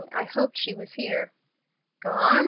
I hoped she was here." "Gone?"